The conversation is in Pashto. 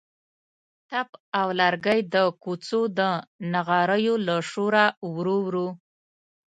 تپ او لوګی د کوڅو د نغریو له شوره ورو ورو.